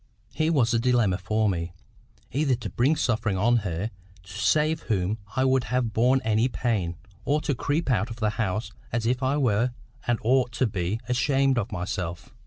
Here was a dilemma for me; either to bring suffering on her, to save whom I would have borne any pain, or to creep out of the house as if I were and ought to be ashamed of myself.